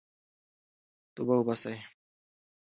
توبه وباسئ.